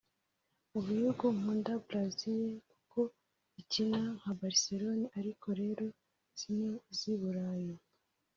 Mu bihugu nkunda Brazil kuko ikina nka Barcelone ariko rero zino z’i Burayi